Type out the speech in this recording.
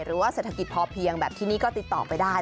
หรือว่าเศรษฐกิจพอเพียงแบบที่นี่ก็ติดต่อไปได้